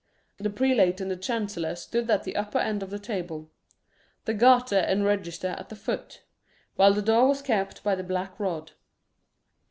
The prelate and the chancellor stood at the upper end of the table; the Garter and register at the foot; while the door was kept by the black rod.